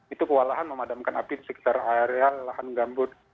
itu kewalahan memadamkan api di sekitar area lahan gambut